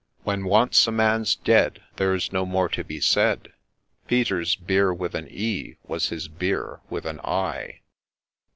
When once a man 's dead There 's no more to be said ; Peter's ' Beer with an e. ' was his ' Bier with an i 1